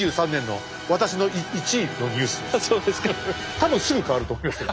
多分すぐ変わると思いますけど。